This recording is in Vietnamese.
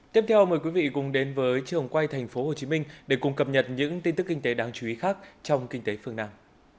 tiếp theo mời quý vị cùng đến với trường quay tp hcm để cùng cập nhật những tin tức kinh tế đáng chú ý khác trong kinh tế phương nam